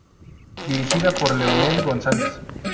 Dirigida por Leonel González.